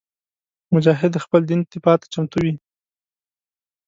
مجاهد د خپل دین دفاع ته چمتو وي.